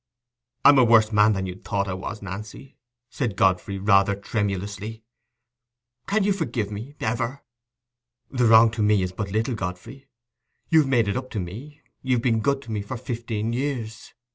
"I'm a worse man than you thought I was, Nancy," said Godfrey, rather tremulously. "Can you forgive me ever?" "The wrong to me is but little, Godfrey: you've made it up to me—you've been good to me for fifteen years.